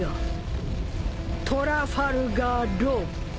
トラファルガー・ロー。